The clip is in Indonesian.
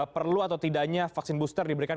perlu atau tidaknya vaksin booster diberikan